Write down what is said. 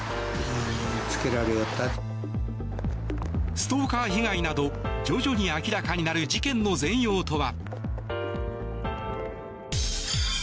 ストーカー被害など徐々に明らかになる事件の全容とは。